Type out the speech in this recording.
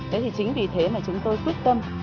thế thì chính vì thế mà chúng tôi quyết tâm